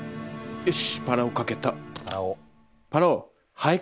「よし！